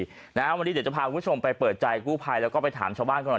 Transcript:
วันนี้เดี๋ยวจะพาคุณผู้ชมไปเปิดใจกู้ภัยแล้วก็ไปถามชาวบ้านก่อน